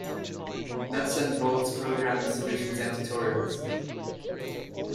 Nuts-and-bolts programming solutions and tutorials.